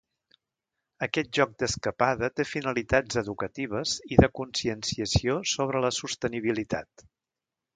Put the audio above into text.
Aquest joc d’escapada té finalitats educatives i de conscienciació sobre la sostenibilitat.